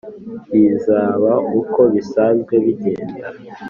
bizaba uko bisanzwe bigenda”